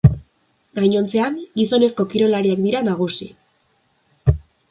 Gainontzean, gizonezko kirolariak dira nagusi.